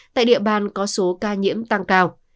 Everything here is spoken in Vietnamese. tại địa bàn có số ca nhiễm tăng cao